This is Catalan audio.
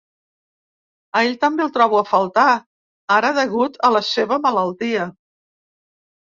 A ell també el trobo a faltar ara degut a la seva malaltia.